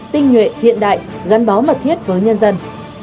tinh nhuệ hiện đại gắn bó mật thiết với nhân dân